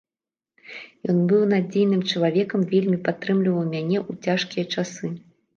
Ён быў надзейным чалавекам, вельмі падтрымліваў мяне ў цяжкія часы.